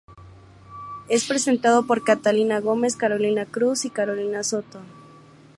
Es presentado por Catalina Gómez, Carolina Cruz y Carolina Soto.